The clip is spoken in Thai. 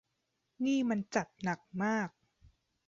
นี่มันจัดหนักมาก